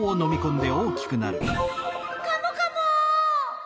カモカモ！